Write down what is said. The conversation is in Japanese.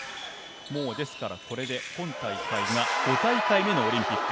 ですからこれで今大会が５大会目のオリンピック。